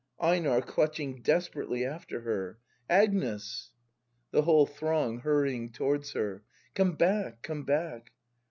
EiNAR. [Clutching desperately after her.] Agnes! ACT II] BRAND 69 The Whole Throng. [Hurrying towards her.] Come back! Come back!